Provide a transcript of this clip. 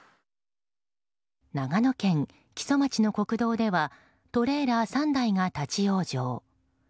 長野県木曽町の国道ではトレーラー３台が立ち往生。